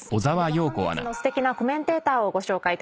では本日のすてきなコメンテーターをご紹介いたします。